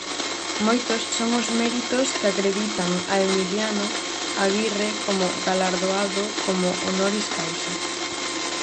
Moitos son os méritos que acreditan a Emiliano Aguirre como galardoado como "Honoris Causa".